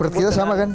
berarti kita sama kan